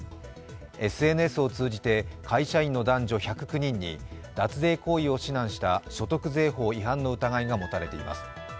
ＳＮＳを通じて会社員の男女１０９人に脱税行為を指南した所得税法違反の疑いが持たれています。